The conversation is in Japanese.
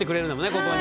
ここに。